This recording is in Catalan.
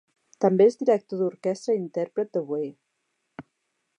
També és director d'orquestra i intèrpret d'oboè.